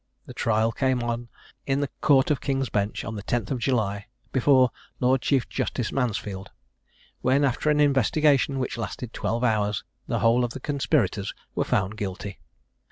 The trial came on in the Court of King's Bench, on the 10th of July, before Lord Chief Justice Mansfield, when, after an investigation which lasted twelve hours, the whole of the conspirators were found guilty.